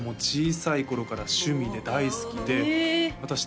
小さい頃から趣味で大好きでええ